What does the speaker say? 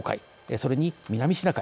それに南シナ海。